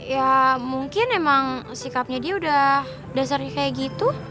ya mungkin emang sikapnya dia udah dasarnya kayak gitu